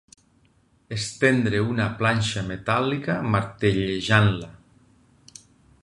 Estendre una planxa metàl·lica martellejant-la.